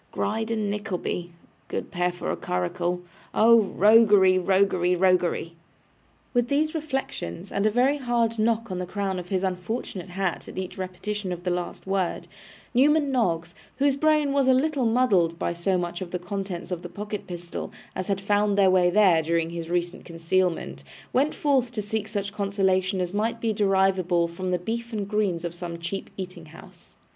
Gride and Nickleby! Good pair for a curricle. Oh roguery! roguery! roguery!' With these reflections, and a very hard knock on the crown of his unfortunate hat at each repetition of the last word, Newman Noggs, whose brain was a little muddled by so much of the contents of the pocket pistol as had found their way there during his recent concealment, went forth to seek such consolation as might be derivable from the beef and greens of some cheap eating house.